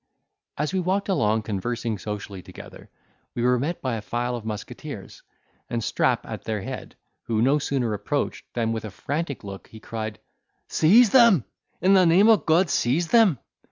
As we walked along conversing socially together, we were met by a file of musketeers, and Strap at their head, who no sooner approached than, with a frantic look, he cried, "Seize them! In the name of God seize them!"